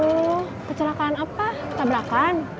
oh kecelakaan apa tabrakan